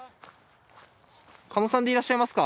狩野さんでいらっしゃいますか？